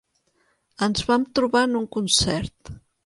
Ens vam trobar en un concert.